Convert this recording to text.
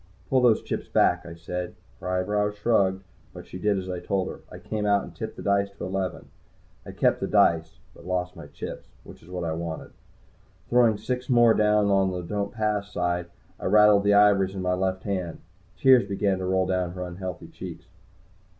"Pull those chips back!" I said. Her eyebrows shrugged, but she did as I told her. I came out, and tipped the dice to eleven. I kept the dice, but lost my chips, which is what I wanted. Throwing six more down on the "Don't Pass" side, I rattled the ivories in my left hand. Tears began to roll down her unhealthy cheeks.